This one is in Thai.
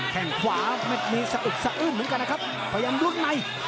แค่งขวาเม็ดนี้สะอึกสะอื้นเหมือนกันนะครับพยายามรุ่นใน